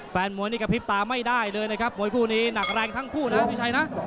แฟนมวยนี่กระพริบตาไม่ได้เลยนะครับมวยคู่นี้หนักแรงทั้งคู่นะพี่ชัยนะ